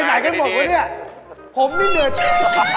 ทำงานให้ดี